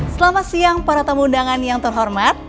selamat siang para tamu undangan yang terhormat